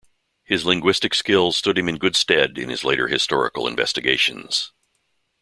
His linguistic skills stood him in good stead in his later historical investigations.